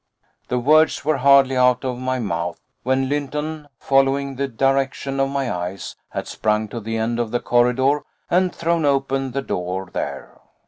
The words were hardly out of my mouth when Lynton, following the direction of my eyes, had sprung to the end of the corridor and thrown open the door there.